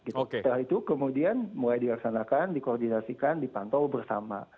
setelah itu kemudian mulai dilaksanakan dikoordinasikan dipantau bersama